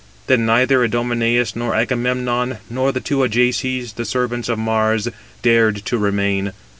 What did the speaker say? Then neither Idomeneus, nor Agamemnon, nor the two Ajaces, the servants of Mars, dared to remain.